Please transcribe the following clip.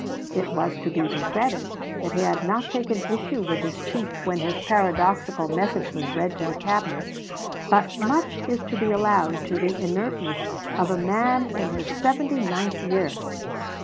It was to be regretted that he had not taken issue with his chief when his paradoxical message was read to the Cabinet, but much is to be allowed to the inertness of a man in his seventy ninth year.